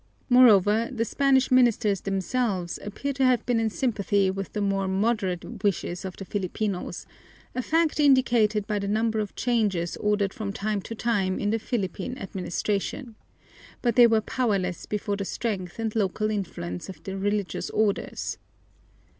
Moreover, the Spanish ministers themselves appear to have been in sympathy with the more moderate wishes of the Filipinos, a fact indicated by the number of changes ordered from time to time in the Philippine administration, but they were powerless before the strength and local influence of the religious orders.